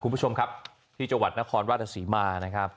คุณผู้ชมครับที่จักรวรรดิ์นครราษสีมารจะนะครับ